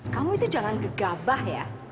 kamu itu jangan gegabah ya